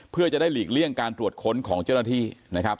เพื่อจะได้หลีกเลี่ยงการตรวจค้นของเจ้าหน้าที่นะครับ